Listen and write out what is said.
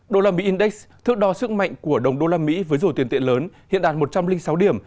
đô la mỹ index thước đo sức mạnh của đồng đô la mỹ với rổ tiền tiện lớn hiện đạt một trăm linh sáu điểm